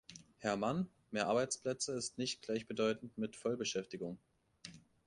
Herr Mann, mehr Arbeitsplätze ist nicht gleichbedeutend mit Vollbeschäftigung.